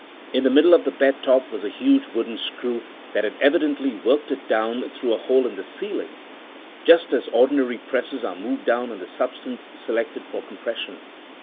In the middle of the bed top was a huge wooden screw that had evidently worked it down through a hole in the ceiling, just as ordinary presses are worked down on the substance selected for compression.